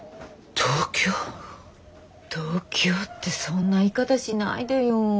「同居ぉ」ってそんな言い方しないでよ。